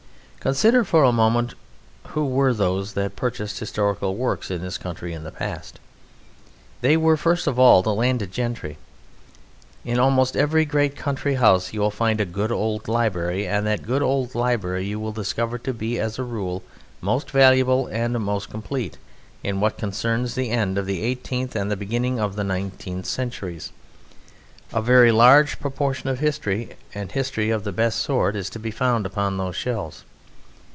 Consider for a moment who were those that purchased historical works in this country in the past. There were, first of all, the landed gentry. In almost every great country house you will find a good old library, and that good old library you will discover to be, as a rule, most valuable and most complete in what concerns the end of the eighteenth and the beginning of the nineteenth centuries. A very large proportion of history, and history of the best sort, is to be found upon those shelves.